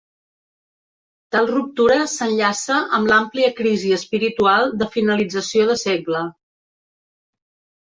Tal ruptura s'enllaça amb l'àmplia crisi espiritual de finalització de segle.